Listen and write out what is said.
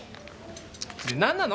で何なの？